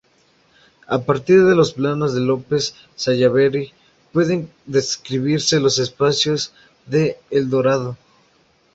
A partir de los planos de López Sallaberry, pueden describirse los espacios de "Eldorado".